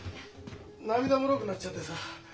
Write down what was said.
涙もろくなっちゃってさ。